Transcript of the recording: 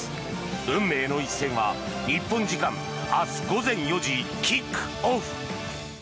運命の一戦は日本時間明日午前４時キックオフ。